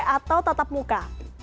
atau tetap muka